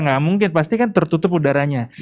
nggak mungkin pasti kan tertutup udaranya